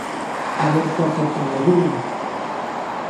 A ver se aceptan algunha.